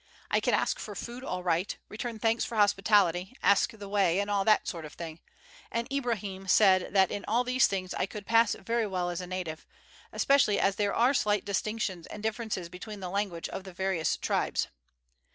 I can ask for food all right, return thanks for hospitality, ask the way, and all that sort of thing; and Ibrahim said that in all these things I could pass very well as a native, especially as there are slight distinctions and differences between the language of the various tribes.